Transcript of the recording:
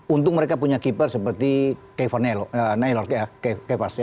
untung mereka punya keeper seperti nailor